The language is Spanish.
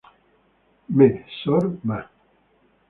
Me Sor Ma.